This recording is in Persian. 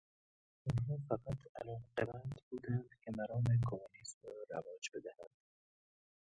آنها فقط علاقمند بودند که مرام کمونیسم را رواج بدهند.